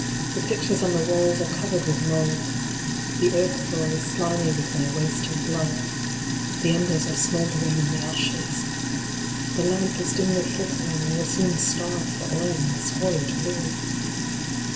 The pictures on the walls are covered with mould. The earth floor is slimy with my wasting blood The embers are smouldering in the ashes. The lamp is dimly flickering, and will soon starve for oil in this horrid gloom.